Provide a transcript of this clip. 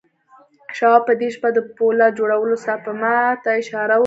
شواب په دې شپه د پولاد جوړولو سپما ته اشاره وکړه